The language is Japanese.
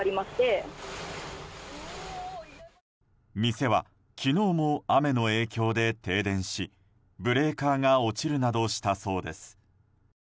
店は昨日も雨の影響で停電しブレーカーが落ちるなどしたそうです。